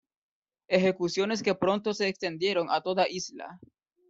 Ejecuciones que pronto se extendieron a toda isla.